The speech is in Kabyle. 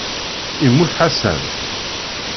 Immut Ḥasan.